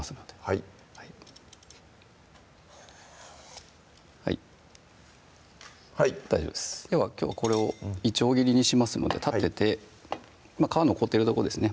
はいはい大丈夫ですではきょうこれをいちょう切りにしますので立てて皮残ってるとこですね